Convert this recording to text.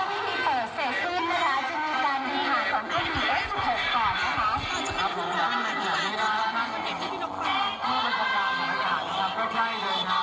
ก็จะมีการพิพากษ์ก่อนก็มีเอ็กซ์สุขก่อน